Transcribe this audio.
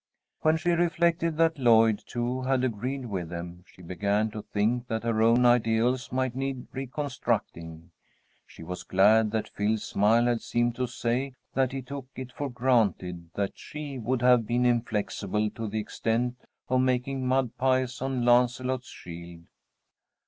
When she reflected that Lloyd, too, had agreed with them, she began to think that her own ideals might need reconstructing. She was glad that Phil's smile had seemed to say that he took it for granted that she would have been inflexible to the extent of making mud pies on Lancelot's shield.